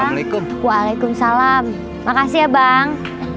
waalaikumsalam makasih ya bang